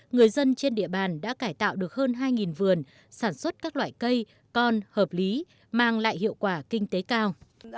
người dân trên địa bàn đã cải tạo được hơn hai vườn sản xuất các loại cây con hợp lý mang lại hiệu quả kinh tế cao